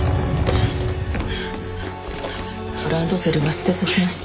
ランドセルは捨てさせました。